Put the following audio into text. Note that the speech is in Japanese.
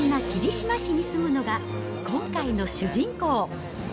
そんな霧島市に住むのが今回の主人公。